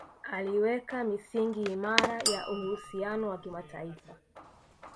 Aliweka misingi imara ya uhusiano wa kimataifa